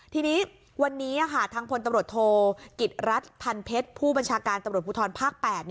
ทีนี้วันนี้ทางพลตำรวจโทกิจรัฐพันเพชรผู้บัญชาการตำรวจภูทรภาค๘